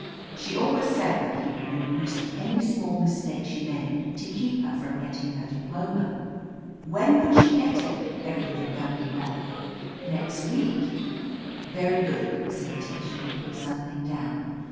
She has always said that he would make use of any small mistake she made, to keep her from getting her diploma." "When would she get it, everything going weU?" "Next week." "Very good," said Tish, and put something down.